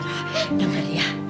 oma jangan ya